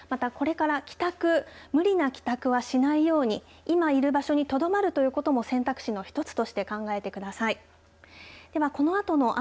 またこれから帰宅無理な帰宅はしないように今いる場所にとどまるということも選択肢の１つとして考えてください。